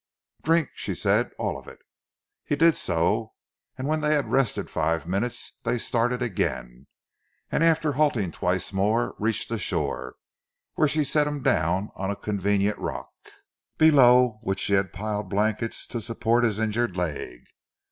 "Drink," she said, "all of it." He did so, and when they had rested five minutes, they started again and, after halting twice more, reached the shore, where she set him down on a convenient rock, below which she had piled blankets to support his injured leg.